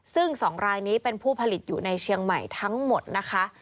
ซึ่ง๒รายนี้เป็นผู้ผลิตอยู่ในเชียงใหม่ทั้งหมดนะคะ